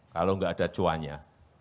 kalau enggak ada cuanya